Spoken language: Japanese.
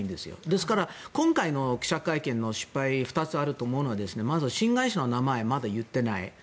ですから今回の記者会見の失敗２つあると思うのはまず新会社の名前をまだ言っていない。